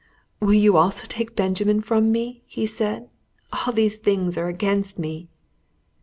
"Will you also take Benjamin from me?" he asked. "All these things are against me!"